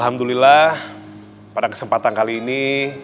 alhamdulillah pada kesempatan kali ini